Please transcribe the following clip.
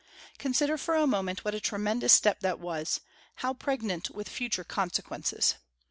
Consider, for a moment, what a tremendous step that was, how pregnant with future consequences.